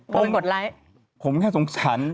เขาไปกดไลค์ผมแค่สงสัญ